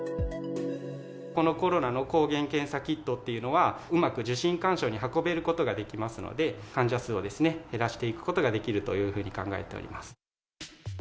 このコロナの抗原検査キットというのは、うまく受診勧奨に運べることができますので、患者数を減らしていくことができるというふうに考えております。